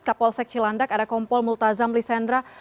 kapolsek cilandak ada kompol multazam lisendra